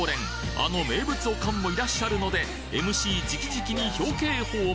あの名物オカンもいらっしゃるのでＭＣ直々に表敬訪問！